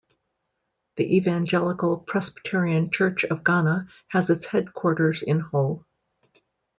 The Evangelical Presbyterian Church of Ghana has its headquarters in Ho.